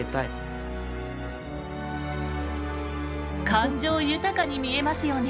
感情豊かに見えますよね。